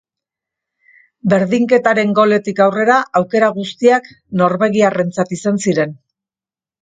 Berdinketaren goletik aurrera aukera guztiak norbegiarrentzat izan ziren.